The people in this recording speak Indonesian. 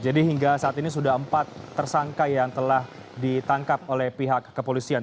jadi hingga saat ini sudah empat tersangka yang telah ditangkap oleh pihak kepolisian